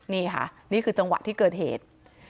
นี่ค่ะนี่คือจังหวะที่เกิดเหตุ